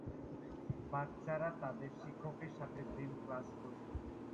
বাচ্চারা তাদের শিক্ষকের সাথে জিম ক্লাস করছে।